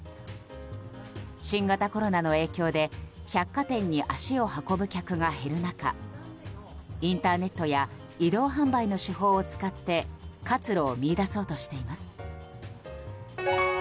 新型コロナの影響で百貨店に足を運ぶ客が減る中インターネットや移動販売の手法を使って活路を見いだそうとしています。